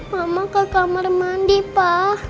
mama ke kamar mandi pak